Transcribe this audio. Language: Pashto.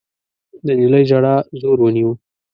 د نجلۍ ژړا زور ونيو.